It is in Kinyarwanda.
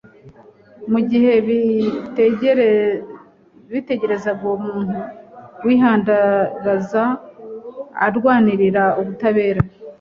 mu gihe bitegerezaga uwo muntu wihandagaza arwanirira ubutabera.